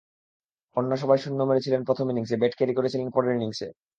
অন্য সবাই শূন্য মেরেছিলেন প্রথম ইনিংসে, ব্যাট ক্যারি করেছিলেন পরের ইনিংসে।